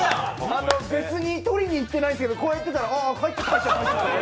別に取りにいってないすけど、こうやってたら入っちゃった。